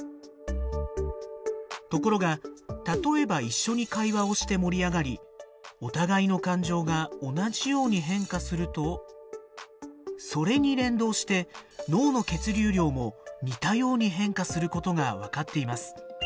ところが例えば一緒に会話をして盛り上がりお互いの感情が同じように変化するとそれに連動して脳の血流量も似たように変化することが分かっています。